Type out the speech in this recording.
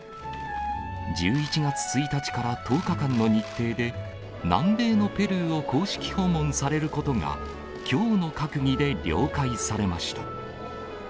１１月１日から１０日間の日程で、南米のペルーを公式訪問されることが、きょうの閣議で了解されました。